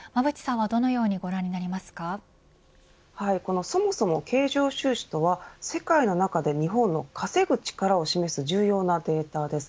はいそもそも経常収支とは世界の中で日本の稼ぐ力を示す重要なデータです。